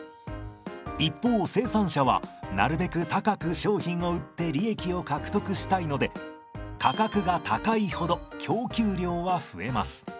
一方生産者はなるべく高く商品を売って利益を獲得したいので価格が高いほど供給量は増えます。